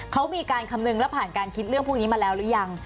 เขามีการคำนึงแล้วผ่านการคิดเรื่องพวกนี้มาแล้วหรือยัง